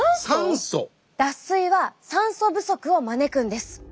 脱水は酸素不足を招くんです。